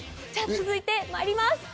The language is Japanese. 続いてまいります。